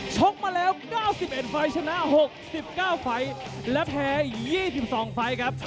ชกมาแล้ว๙๑ฟัยชนะ๖๙ฟัยและแพ้๒๒ฟัยครับ